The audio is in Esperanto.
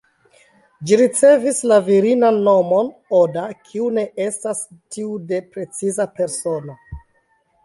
Ĝi ricevis la virinan nomon ""Oda"", kiu ne estas tiu de preciza persono.